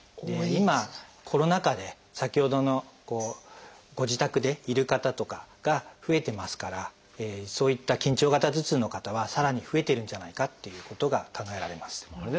今コロナ禍で先ほどのご自宅でいる方とかが増えてますからそういった緊張型頭痛の方はさらに増えているんじゃないかっていうことが考えられます。